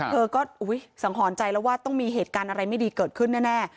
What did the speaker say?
เธอก็สังหรณ์ใจแล้วว่าต้องมีเหตุการณ์อะไรไม่ดีเกิดขึ้นแน่